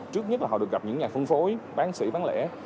trước nhất là họ được gặp những nhà phân phối bán xỉ bán lẻ